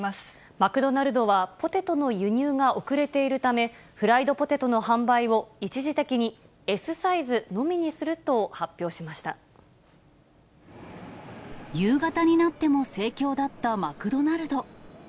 マクドナルドはポテトの輸入が遅れているため、フライドポテトの販売を一時的にＳサイズのみ夕方になっても盛況だったマクドナルド。